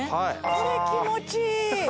これ気持ちいい